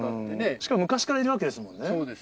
しかも昔からいるわけですもそうです。